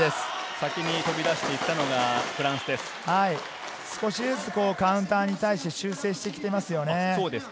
先に飛び出していたのがフラカウンターに対して少しずつ修正してきています。